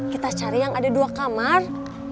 kita cari yang ada dua kamar